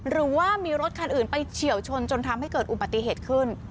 หรือว่ามีรถคันอื่นไปเฉียวชนจนทำให้เกิดอุบัติเหตุขึ้น